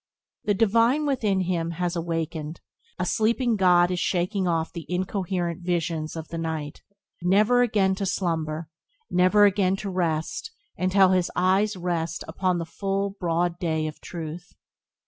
The divine within him has awakened; a sleeping god is shaking off the incoherent visions of the night, never again to slumber, never again to rest until his eyes rest upon the full, broad day of Truth.